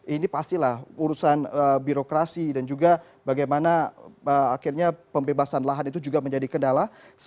ini pastilah urusan birokrasi dan juga bagaimana akhirnya pembebasan lahan itu juga menjadi kendala